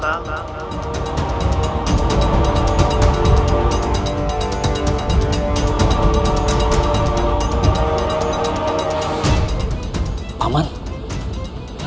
bangulah kian santang